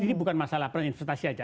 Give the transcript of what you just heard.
ini bukan masalah perinvestasi saja